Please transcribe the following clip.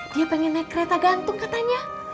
dia pengen naik kereta gantung katanya